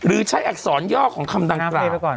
ใช้อักษรย่อของคำดังกล่าว